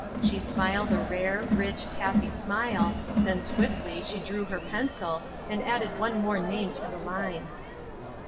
She smiled a rare, rich, happy smile; then swiftly she drew her pencil and added one more name to the line.